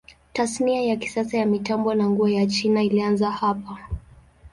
Tasnia ya kisasa ya mitambo na nguo ya China ilianza hapa.